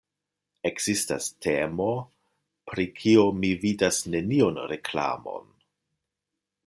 Ekzistas temo pri kiu mi vidas neniun reklamon: